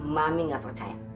mami nggak percaya